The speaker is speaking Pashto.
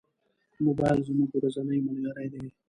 موبایل زموږ ورځنی ملګری دی.